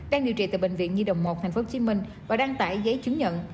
đang điều trị tại bệnh viện nhi đồng một tp hcm và đăng tải giấy chứng nhận